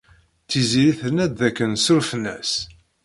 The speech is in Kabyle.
Tiziri tenna-d dakken ssurfen-as.